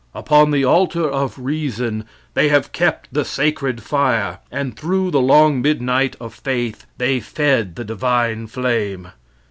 Upon the altar of reason they have kept the sacred fire, and through the long midnight of faith they fed the divine flame.